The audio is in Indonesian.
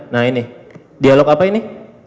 nah ini dialog apa ini